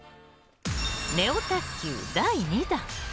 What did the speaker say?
ネオ卓球、第２弾。